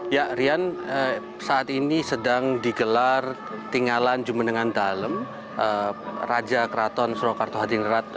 ya rian saat ini sedang digelar tinggalan jum'en nengan dalam raja keraton surakarta hadirin rat